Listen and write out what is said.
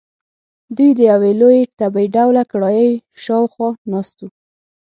دوی د یوې لویې تبۍ ډوله کړایۍ شاخوا ناست وو.